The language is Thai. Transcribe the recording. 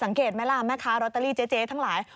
สังเกตไหมล่ะแม่ค้ารอตเตอรี่เจ๊ทั้งหลาย